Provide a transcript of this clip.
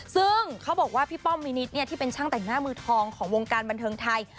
ซึ่งเขาบอกว่าพี่ป้อมมินิตที่เป็นช่างแต่งหน้ามือทองของวงการบันเทิงไทย